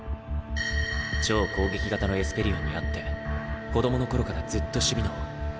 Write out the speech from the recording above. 超攻撃型のエスペリオンにあって子供の頃からずっと守備脳。